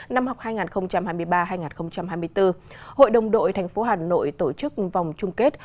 năm học hai nghìn hai mươi ba hai nghìn hai mươi bốn hội đồng đội thành phố hà nội tổ chức vòng chung kết